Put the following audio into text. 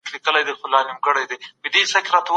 دا یو پخوانی سیستم و چي ستونزي به یې حل کولي.